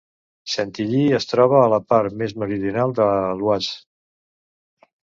Chantilly es troba a la part més meridional de l'Oise.